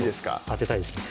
当てたいですね